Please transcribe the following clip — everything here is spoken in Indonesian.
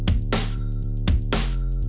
seperti yang kita ketahui